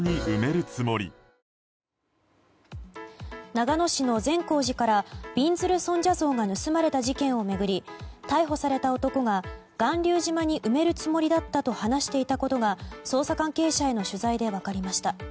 長野市の善光寺からびんずる尊者像が盗まれた事件を巡り逮捕された男が巌流島に埋めるつもりだったと話していたことが捜査関係者への取材で分かりました。